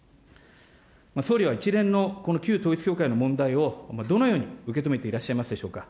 総理は一連のこの旧統一教会の問題を、どのように受け止めていらっしゃいますでしょうか。